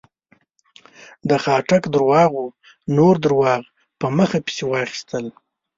د خاټک درواغو نور درواغ په مخه پسې واخيستل.